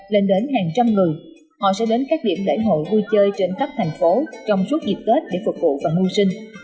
lên đến hàng trăm người họ sẽ đến các điểm lễ hội vui chơi trên khắp thành phố trong suốt dịp tết để phục vụ và mưu sinh